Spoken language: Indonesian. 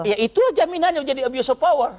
ya itulah jaminannya menjadi abuse of power